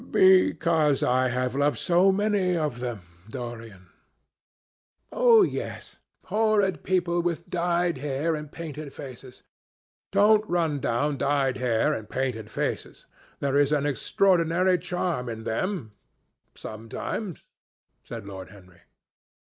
"Because I have loved so many of them, Dorian." "Oh, yes, horrid people with dyed hair and painted faces." "Don't run down dyed hair and painted faces. There is an extraordinary charm in them, sometimes," said Lord Henry.